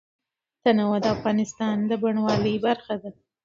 تنوع د افغانستان د بڼوالۍ برخه ده.